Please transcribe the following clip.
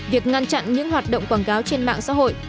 việc ngăn chặn những hoạt động quảng cáo trên mạng xã hội